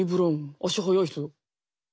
足速い人。